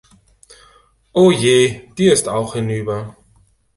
Oh je, die ist auch hinüber!